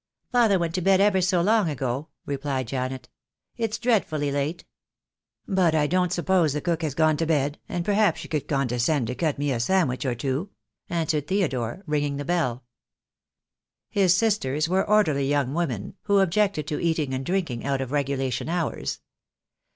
"Father went to bed ever so long ago," replied Janet; "it's dreadfully late." "But I don't suppose the cook has gone to bed, and perhaps she would condescend to cut me a sandwich or two," answered Theodore, ringing the bell. His sisters were orderly young women who objected to eating and drinking out of regulation hours.